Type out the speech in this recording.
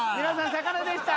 魚でした。